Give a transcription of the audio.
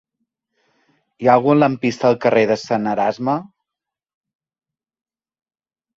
Hi ha algun lampista al carrer de Sant Erasme?